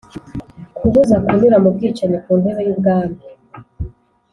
kubuza kunyura mu bwicanyi ku ntebe y'ubwami,